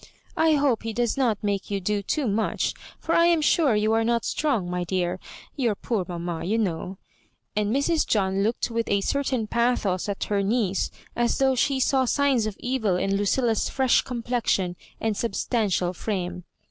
"I hope he does not make you do too much, for I am sure you are not strong, my dear. Your poor mamma, you know " and Mrs. John looked with a certain pathos at her niece; as though she saw signs of evil in Lucilla's fresh complexion and substantial frame.